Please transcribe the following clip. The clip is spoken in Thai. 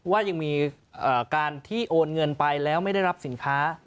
ว่ายังมีการที่โอนเงินไปแล้วไม่ได้รับสินค้า